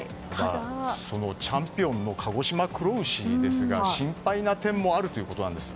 そのチャンピオンの鹿児島黒牛ですが心配な点もあるということです。